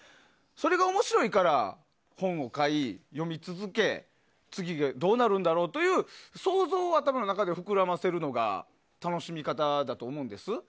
それが面白いから本を買い、読み続け次、どうなるんだろうという想像を頭の中で膨らませるのが楽しみ方だと思うんです。